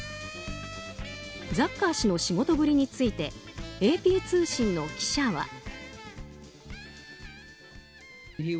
ザッカー氏の仕事ぶりについてＡＰ通信の記者は。